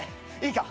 いいか？